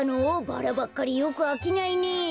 バラばっかりよくあきないね。